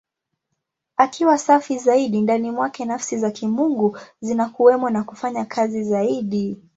Akiwa safi zaidi, ndani mwake Nafsi za Kimungu zinakuwemo na kufanya kazi zaidi.